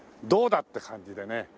「どうだ！」って感じでね。